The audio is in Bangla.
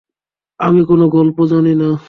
আমি কোনো গল্প জানি না।